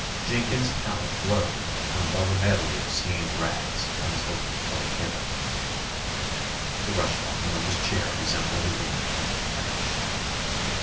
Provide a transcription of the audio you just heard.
Jenkins' palette glowed from above a medley of stained rags on his open colour table. The rush bottom of his chair resembled a wind torn thatch.